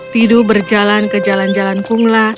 tidu berjalan ke jalan jalan kungla